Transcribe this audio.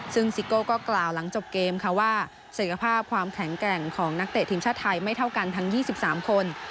ซึ่งซิโก้ก็กล่าวหลังจบเกมค่ะว่าศักยภาพความแข็งแกร่งของนักเตะทีมชาติไทยไม่เท่ากันทั้ง๒๓คน